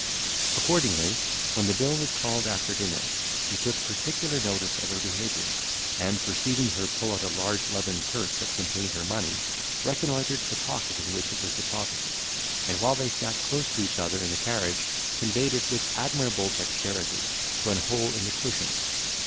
Accordingly, when the bill was called after dinner, he took particular notice of her behaviour, and, perceiving her pull out a large leathern purse that contained her money, reconnoitred the pocket in which it was deposited, and, while they sat close to each other in the carriage, conveyed it with admirable dexterity into an hole in the cushion.